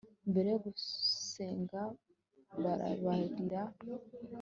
mbere yo gusenga, babarira